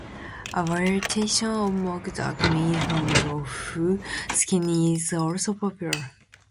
A variation of mock duck made from tofu skin is also popular.